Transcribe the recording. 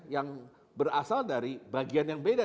yang berasal dari bagian yang beda